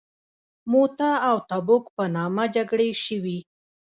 موته او تبوک په نامه جګړې شوي.